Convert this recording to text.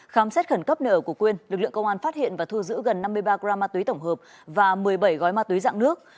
khám xét khẩn cấp nợ của quyên lực lượng công an phát hiện và thu giữ gần năm mươi ba gram ma túy tổng hợp và một mươi bảy gói ma túy dạng nước